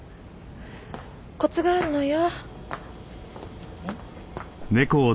コツがあるのよ。